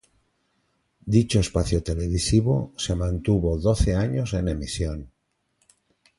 Dicho espacio televisivo se mantuvo doce años en emisión.